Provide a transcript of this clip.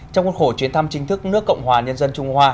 trong cuốn khổ chuyến thăm chính thức nước cộng hòa nhân dân trung hoa